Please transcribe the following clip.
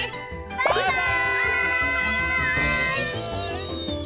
バイバーイ！